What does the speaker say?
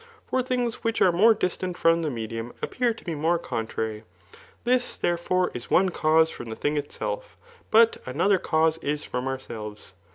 For things which are more distant from the medium, appear to be more contrary. This, therefore, is one cause from the thing itself} but another cause is from otirselves.